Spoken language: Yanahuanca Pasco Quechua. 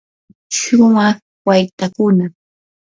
shumaq waytakuna.